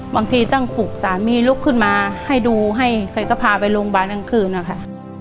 บางทีต้องปลุกสามีลุกขึ้นมาให้ดูให้ใครก็พาไปโรงพยาบาลกลางคืนนะคะ